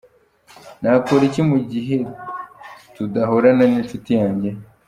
Nakora iki mu gihe tudahorana n’inshuti yanjye?.